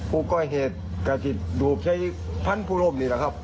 ผู้ก้อยเห็นกะจิตดูบใช้พันธุ์ผู้ร่มนี่หรือครับ